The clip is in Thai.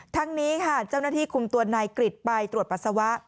ทั้งนี้ค่ะเจ้าหน้าที่คุมตัวนายกริจไปตรวจปัสสาวะ